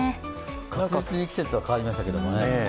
確実に季節は変わりましたけどね。